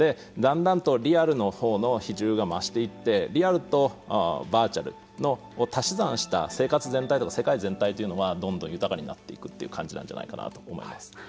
だんだんとリアルのほうの比重が増していってリアルとバーチャルの足し算した社会全体というのはどんどん豊かになっていくという感じなんじゃないかと思います。